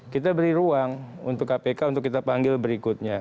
kita beri ruang untuk kpk untuk kita panggil berikutnya